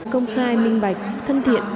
công khai minh bạch thân thiện